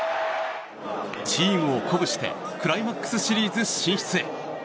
チームを鼓舞してクライマックスシリーズ進出へ。